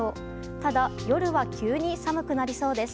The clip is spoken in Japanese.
ただ夜は急に寒くなりそうです。